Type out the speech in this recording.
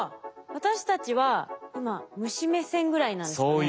私たちは今虫目線ぐらいなんですね。